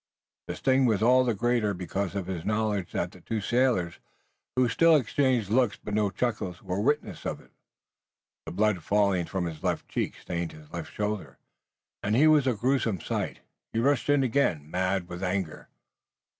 The sting was all the greater because of his knowledge that the two sailors who still exchanged looks but no chuckles, were witnesses of it. The blood falling from his left cheek stained his left shoulder and he was a gruesome sight. He rushed in again, mad with anger.